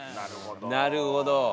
なるほど。